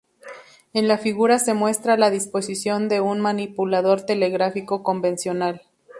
En la figura se muestra la disposición de un manipulador telegráfico convencional.